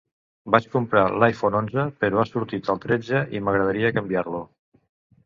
Vaig comprar l'iPhone onze però ha sortit el tretze i m'agradaria canviar-lo.